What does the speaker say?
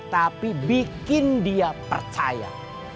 tapi bikin dia percaya